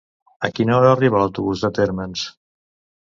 A quina hora arriba l'autobús de Térmens?